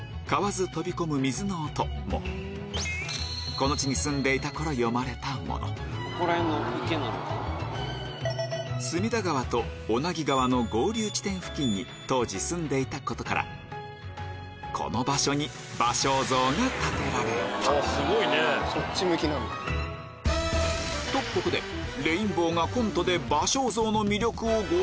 この地に住んでいた頃詠まれたもの隅田川と小名木川の合流地点付近に当時住んでいたことからこの場所に芭蕉像が建てられたとここではぁ！